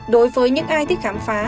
đối với những ai thích khám phá